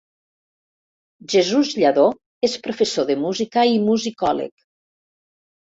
Jesús Lladó és professor de música i musicòleg.